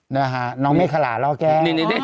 เนี่ยฮะน้องเมฆลาเล่าแก้